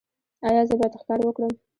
ایا زه باید ښکار وکړم؟